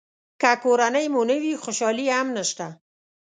که کورنۍ مو نه وي خوشالي هم نشته.